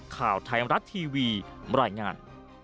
ข่าวไทยมรัฐทีวีบรรยายงาน